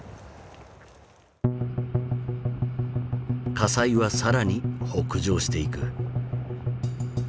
火災は更に北上していく。